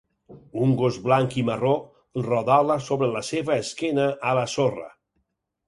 Un gos blanc i marró rodola sobre la seva esquena a la sorra.